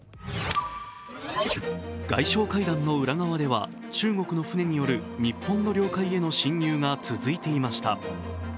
外相会談の裏側では中国の船による日本の領海への侵入が続いていました。